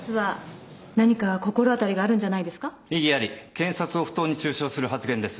検察を不当に中傷する発言です。